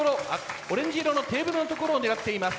オレンジ色のテーブルの所を狙っています。